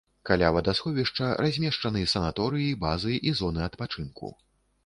Каля вадасховішча размешчаны санаторыі, базы і зоны адпачынку.